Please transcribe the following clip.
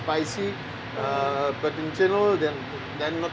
tapi secara umum tidak ada masalah